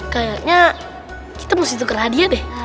kayaknya kita mesti tuker hadiah deh